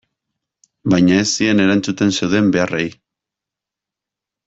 Baina ez zien erantzuten zeuden beharrei.